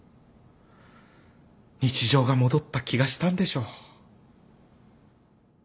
日常が戻った気がしたんでしょう。